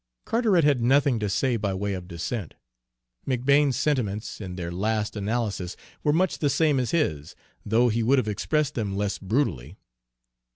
Carteret had nothing to say by way of dissent. McBane's sentiments, in their last analysis, were much the same as his, though he would have expressed them less brutally.